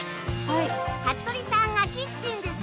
服部さんがキッチンで。